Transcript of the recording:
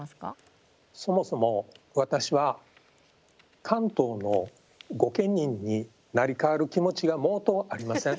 そもそも私は関東の御家人に成り代わる気持ちが毛頭ありません。